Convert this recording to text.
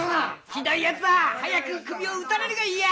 ひどいやつだ早く首を討たれるがいいや！